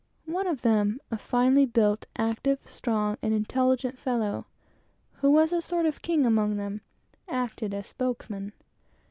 One of them, a finely built, active, strong and intelligent fellow, who was a sort of king among them, acted as spokesman.